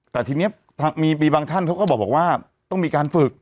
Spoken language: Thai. แต่ทีนี้มีบางท่านเขาก็บอกว่าต้องมีการฝึก